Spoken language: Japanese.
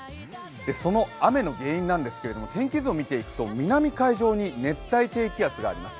その雨の原因なんですけれども、天気図を見ていくと南海上に熱帯低気圧があります。